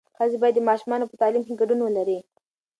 ښځې باید د ماشومانو په تعلیم کې ګډون ولري.